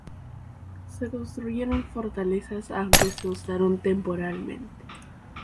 Se construyeron fortalezas, aunque se usaron temporalmente.